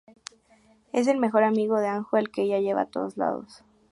Es el mejor amigo de Anju al que ella lleva a todos lados.